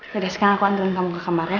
sekarang aku anturin kamu ke kamarnya